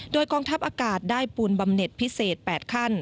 โดยกองทัพอากาศได้ปูนบำเน็ตพิเศษ๘ขั้น